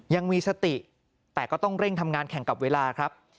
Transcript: ยังมีสติแต่ก็ต้องเร่งทำงานแข่งกับเวลาครับ